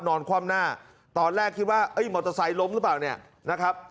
คว่ำหน้าตอนแรกคิดว่าเอ้ยมอเตอร์ไซค์ล้มหรือเปล่าเนี่ยนะครับ